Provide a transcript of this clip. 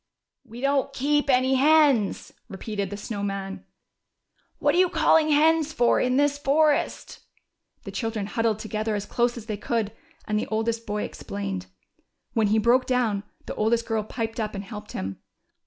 "We don't keep any hens." repeated the Snow Man. "What are you calling hens for in this forest ?" The children huddled tpgether as close as they could. THE SILVER HEN. 265 and the oldest boy explained. When he broke down the oldest girl piped up and helped him.